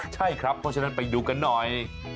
ใช่ครับเพราะฉะนั้นไปดูกันหน่อย